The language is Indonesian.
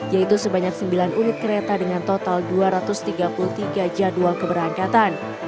yaitu sebanyak sembilan unit kereta dengan total dua ratus tiga puluh tiga jadwal keberangkatan